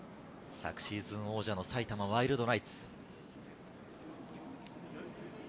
昨シーズン王者の埼玉ワイルドナイツ。